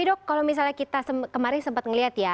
tapi dok kalau misalnya kita kemarin sempat melihat ya